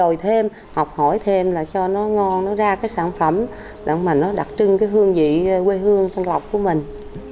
học hỏi thêm học hỏi thêm là cho nó ngon nó ra cái sản phẩm mà nó đặc trưng cái hương vị quê hương tân lộc của mình